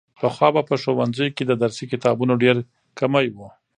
پخوا به په ښوونځیو کې د درسي کتابونو ډېر کمی و.